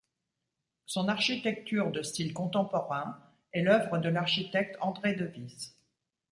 Son architecture de style contemporain est l'œuvre de l'architecte André Devys.